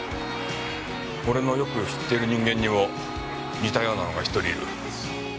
俺のよく知っている人間にも似たようなのが１人いる。